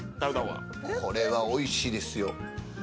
これはおいしいですよ。